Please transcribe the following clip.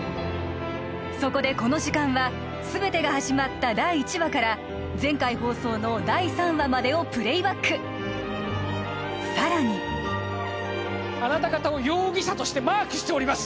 そこでこの時間は全てが始まった第１話から前回放送の第３話までをプレイバックさらにあなた方を容疑者としてマークしております